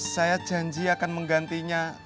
saya janji akan menggantinya